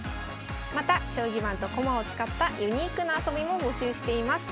また将棋盤と駒を使ったユニークな遊びも募集しています。